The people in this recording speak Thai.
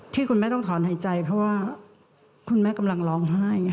ที่คุณแม่ต้องถอนหายใจเพราะว่าคุณแม่กำลังร้องไห้